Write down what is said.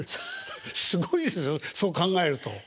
すごいですよそう考えると。